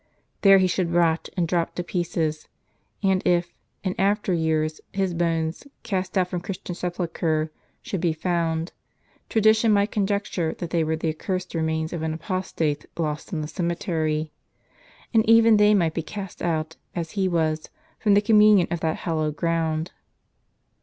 There he should rot, and drop to pieces; and if, in after years, his bones, cast out from Christian sepulture, should be found, tradition might conjec ture that they were the accursed remains of an apostate lost in the cemetery. And even they might be cast out, as he was, from the communion of that hallowed ground.